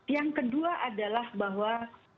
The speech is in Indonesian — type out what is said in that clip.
yang kedua adalah bahwa